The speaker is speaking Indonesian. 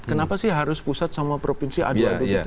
kenapa sih harus pusat sama provinsi adu adu